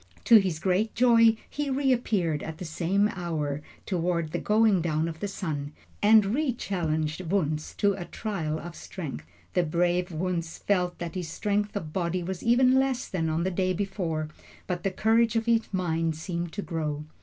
To his great joy he reappeared at the same hour, toward the going down of the sun, and re challenged Wunzh to a trial of strength. The brave Wunzh felt that his strength of body was even less than on the day before, but the courage of his mind seemed to grow.